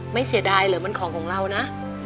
ไม่เสียดายเหลือมันของเรานะ